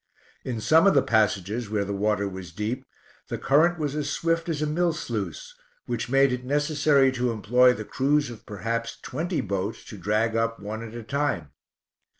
In some of the passages where the water was deep, the current was as swift as a mill sluice, which made it necessary to employ the crews of perhaps twenty boats to drag up one at a time.